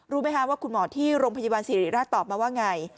รู้ไหมคะว่าคุณหมอที่โรงพยาบาลสิริราชตอบมาว่าไง